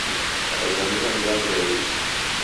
Nadazamilwa ni w'andu w'a iriso